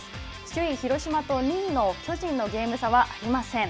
首位広島と２位の巨人のゲーム差はありません。